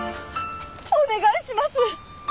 お願いします！